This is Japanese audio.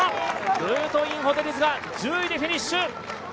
ルートインホテルズは１０位でフィニッシュ。